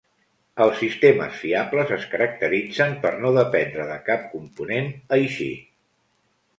Els sistemes fiables es caracteritzen per no dependre de cap component així.